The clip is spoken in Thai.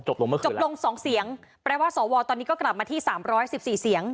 เมื่อคืนจบลงสองเสียงแปลว่าสวตอนนี้ก็กลับมาที่สามร้อยสิบสี่เสียง